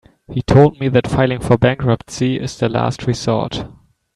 He told me that filing for bankruptcy is the last resort.